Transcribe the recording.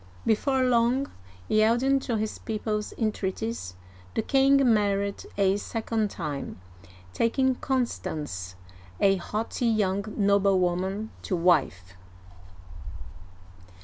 Before long, yielding to his people*s entreaties, the king married a second time, taking Constance, a haughty young noblewoman, to wife.